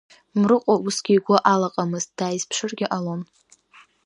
Мрыҟәа усгьы игәы алаҟамызт, дааизԥшыргьы ҟалон.